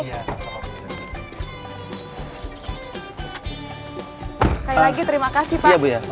sekali lagi terima kasih pak